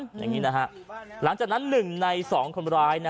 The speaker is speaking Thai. อย่างงี้นะฮะหลังจากนั้นหนึ่งในสองคนร้ายน่ะ